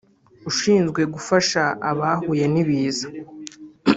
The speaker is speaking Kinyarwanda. ushinzwe gufasha abahuye n’ibiza